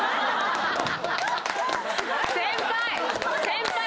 先輩！